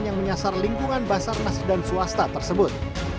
yang menyasar lingkungan basar nasi dan swasta tersebut